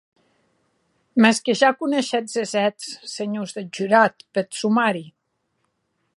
Mès que ja coneishetz es hèts, senhors deth jurat, peth somari.